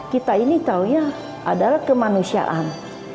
kita ini tahunya adalah kemanusiaan